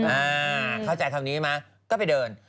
อ่าเข้าใจคำนี้ใช่ไหมก็ไปเดิน